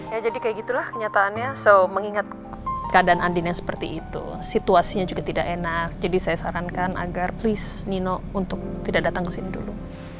ya jadi kaya gitu lah kenyataannya so menginget keadaan andin yang seperti itu situasinya juga tidak enak jadi saya sarankan agar please nino untuk tidak datang kesini dulu